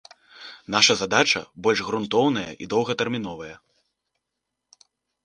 Наша задача больш грунтоўная і доўгатэрміновая.